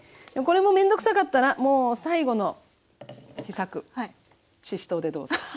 これも面倒くさかったらもう最後の秘策ししとうでどうぞ。